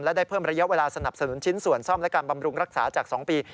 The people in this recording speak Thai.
และได้เพิ่มระยะเวลาสนับสนุนชิ้นส่วนซ่อมและการบำรุงรักษาจาก๒ปี